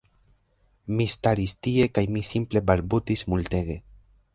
Mi staris tie kaj mi simple balbutis multege